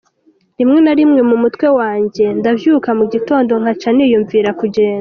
Rimwe na rimwe mu mutwe wanje, ndavyuka mu gitondo nkaca niyumvira kugenda.